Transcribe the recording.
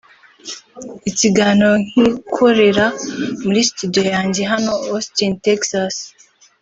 Ikiganiro nkikorera muri studio yanjye hano Austin Texas